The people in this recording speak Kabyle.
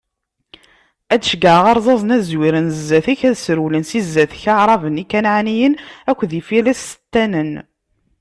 Ad d-ceggɛeɣ arẓaẓen, ad zwiren zdat-k, ad srewlen si zdat-k Iɛraben, Ikanɛaniyen akked Ifilistanen.